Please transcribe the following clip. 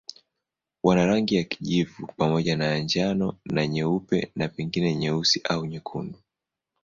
Wana rangi ya kijivu pamoja na njano na nyeupe na pengine nyeusi au nyekundu.